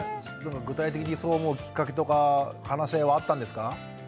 具体的にそう思うきっかけとか話し合いはあったんですか？